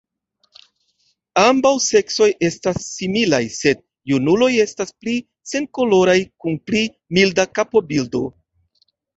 Ambaŭ seksoj estas similaj, sed junuloj estas pli senkoloraj kun pli milda kapobildo.